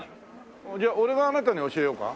じゃ俺があなたに教えようか？